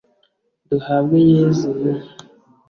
duhabwe yezu mu